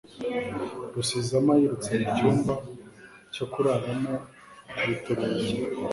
Rusizama yirutse mu cyumba cyo kuraramo akubita urugi.